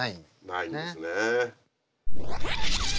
ないんですね。